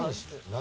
何。